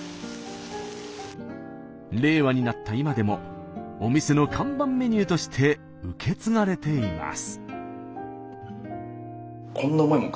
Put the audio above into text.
令和になった今でもお店の看板メニューとして受け継がれています。